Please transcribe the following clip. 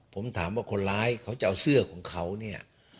ผมถามว่าคนร้ายเขาจะเอาเสื้อของเขาเนี่ย